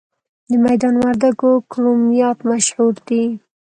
د میدان وردګو کرومایټ مشهور دی؟